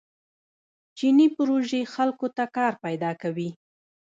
چیني پروژې خلکو ته کار پیدا کوي.